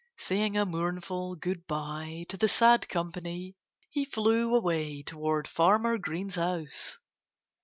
Saying a mournful good by to the sad company, he flew away toward Farmer Green's house.